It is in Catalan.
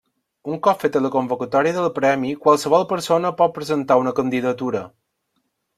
Un cop feta la convocatòria del premi qualsevol persona pot presentar una candidatura.